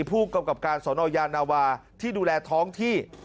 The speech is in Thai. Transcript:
ผู้กำกับการสนยานาวาที่ดูแลท้องที่